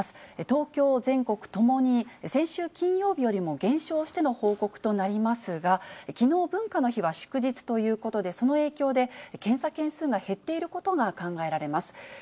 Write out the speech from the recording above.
東京、全国共に先週金曜日よりも減少しての報告となりますが、きのう文化の日は祝日ということで、その影響で検査件数が減っていることが考えられます。